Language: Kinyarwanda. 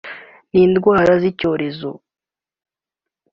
n’indwara z’ibyorezo